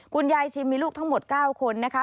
คุณยายชิมมีลูกทั้งหมด๙คนนะคะ